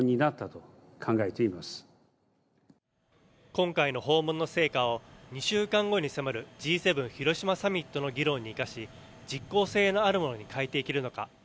今回の訪問の成果を２週間後に迫るＧ７広島サミットの議論に生かし実効性のあるものに変えていけるのか。